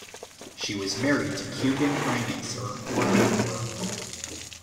She was married to Cuban financer Jorge Mora.